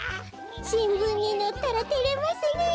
しんぶんにのったらてれますねえ。